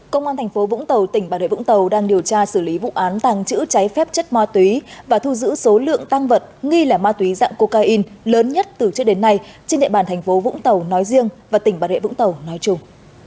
công an tp vũng tàu tỉnh bà đệ vũng tàu đang điều tra xử lý vụ án tàng trữ cháy phép chất ma túy và thu giữ số lượng tăng vật nghi là ma túy dạng cocaine lớn nhất từ trước đến nay trên địa bàn tp vũng tàu nói riêng và tỉnh bà đệ vũng tàu nói chung